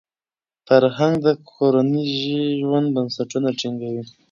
فرهنګ د کورني ژوند بنسټونه ټینګوي.